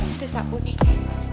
ini ada sabunnya